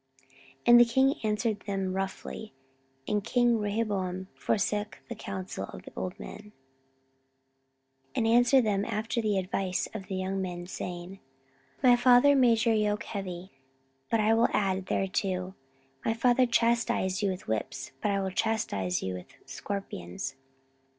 14:010:013 And the king answered them roughly; and king Rehoboam forsook the counsel of the old men, 14:010:014 And answered them after the advice of the young men, saying, My father made your yoke heavy, but I will add thereto: my father chastised you with whips, but I will chastise you with scorpions.